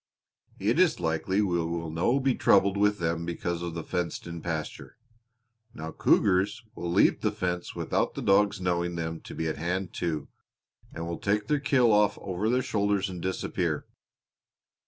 It is likely we will no be troubled with them because of the fenced in pasture. Now cougars will leap the fence without the dogs knowing them to be at hand, too, and will take their kill off over their shoulders and disappear.